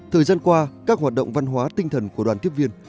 thời gian qua các hoạt động văn hóa tinh thần của đoàn tiếp viên